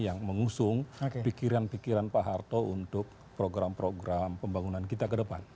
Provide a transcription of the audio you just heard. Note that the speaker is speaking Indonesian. yang mengusung pikiran pikiran pak harto untuk program program pembangunan kita ke depan